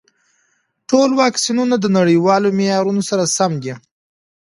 ټول واکسینونه د نړیوالو معیارونو سره سم دي.